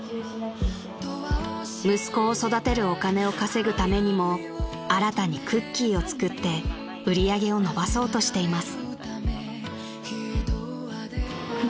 ［息子を育てるお金を稼ぐためにも新たにクッキーを作って売り上げを伸ばそうとしています］